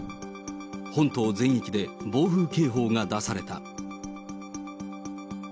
本島全域で暴風警報が出された。